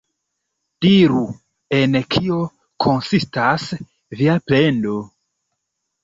Diru, en kio konsistas via plendo?